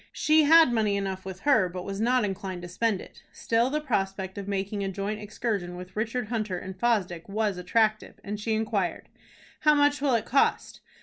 She had money enough with her, but was not inclined to spend it. Still the prospect of making a joint excursion with Richard Hunter and Fosdick was attractive, and she inquired: "How much will it cost?"